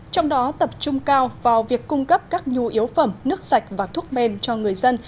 trong đó tập trung cao vào việc cung cấp các nhu yếu phẩm nước sạch và thuốc men cho người dân